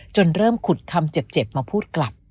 เริ่มขุดคำเจ็บมาพูดกลับ